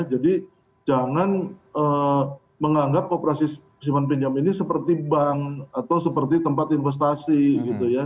jadi jangan menganggap kooperasi simpan pinjam ini seperti bank atau seperti tempat investasi gitu ya